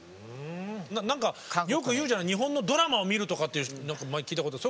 何かよく言うじゃない日本のドラマを見るとかって前に聞いたことある。